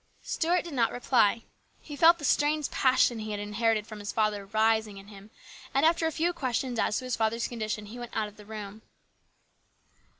Stuart did not reply. He felt the strange passion he inherited from his father rising in him, and after a few questions as to his father's condition he went out of the room.